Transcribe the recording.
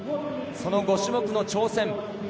その５種目の挑戦。